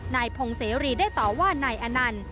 นายพงเสรีได้ต่อว่านายอนันต์